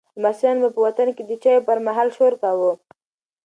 لمسیانو به په وطن کې د چایو پر مهال شور کاوه.